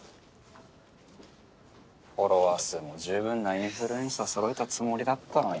フォロワー数も十分なインフルエンサーそろえたつもりだったのに。